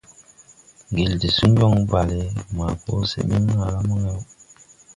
Ŋgel suŋ yɔŋ balle maa po sɛ ɓiŋ naa maŋ yaw.